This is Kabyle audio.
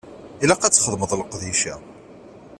Ilaq ad txedmeḍ leqdic-a.